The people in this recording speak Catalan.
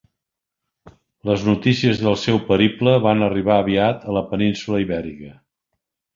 Les notícies del seu periple van arribar aviat a la península Ibèrica.